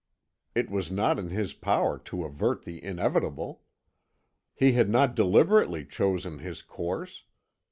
It was not in his power to avert the inevitable. He had not deliberately chosen his course.